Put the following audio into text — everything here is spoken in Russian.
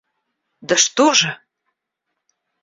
Да что же!